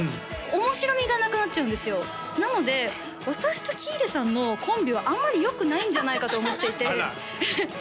面白みがなくなっちゃうんですよなので私と喜入さんのコンビはあんまりよくないんじゃないかと思っていてあら